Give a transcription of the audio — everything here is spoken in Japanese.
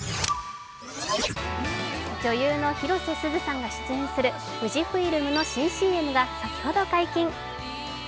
女優の広瀬すずさんが出演する富士フイルムの新ＣＭが先ほど解禁。